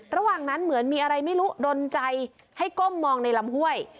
ระหว่างนั้นเหมือนมีอะไรไม่รู้ดนใจให้ก้มมองในลำห้วย